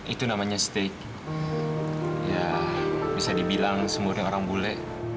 itu namanya steak ya bisa dibilang semur dengan orang bule